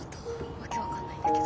わけ分かんないんだけど。